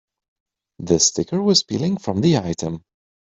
The sticker was peeling from the item.